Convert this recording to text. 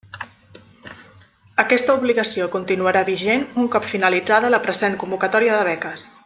Aquesta obligació continuarà vigent un cop finalitzada la present convocatòria de beques.